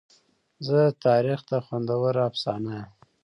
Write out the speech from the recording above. زه تاریخ ته خوندوره افسانه یمه.